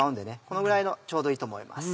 このぐらいのちょうどいいと思います。